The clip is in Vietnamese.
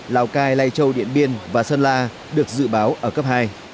lào cai lai châu điện biên và sơn la được dự báo ở cấp hai